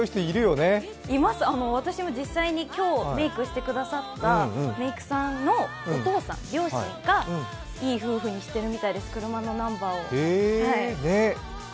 私も今日、実際にメイクしてくださったメイクさんの両親がいい夫婦にしてるみたいです、車のナンバーを。